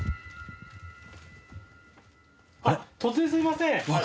突然すいません。